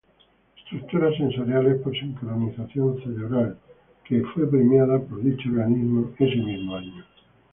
Estructuras sensoriales por sincronización cerebral", que fue premiada por dicho organismo ese mismo año.